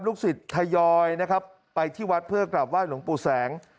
ศิษย์ทยอยนะครับไปที่วัดเพื่อกลับไห้หลวงปู่แสง